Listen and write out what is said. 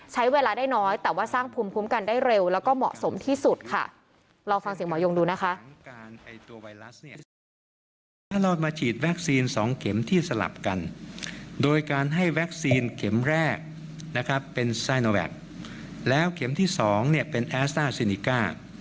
ใช้เวลาได้น้อยแต่ว่าสร้างภูมิภูมิกันได้เร็วแล้วก็เหมาะสมที่สุดค่ะ